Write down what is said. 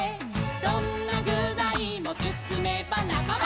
「どんなぐざいもつつめばなかま」「」